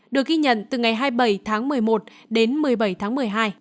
được ghi nhận từ ngày hai mươi bảy tháng một mươi một đến một mươi bảy tháng một mươi hai